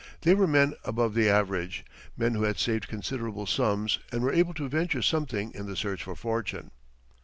They were men above the average, men who had saved considerable sums and were able to venture something in the search for fortune.